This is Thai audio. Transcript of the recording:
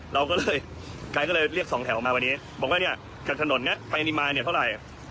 เราก็เลยไกดก็เลยเรียกสองแถวมาวันนี้บอกว่าเนี่ยจากถนนนี้ไปนี่มาเนี่ยเท่าไหร่